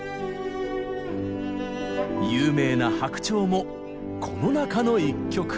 有名な「白鳥」もこの中の１曲。